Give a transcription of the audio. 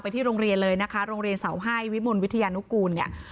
ไปที่โรงเรียนเลยนะคะโรงเรียนเสาห้ายวิทยานุกูล